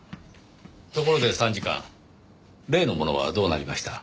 ところで参事官例のものはどうなりました？